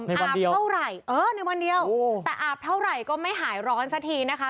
ในวันเดียวในวันเดียวแต่อาบเท่าไหร่ก็ไม่หายร้อนสักทีนะคะ